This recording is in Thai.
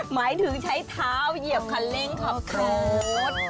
หมายถึงใช้เท้าเหยียบคันเร่งขับรถ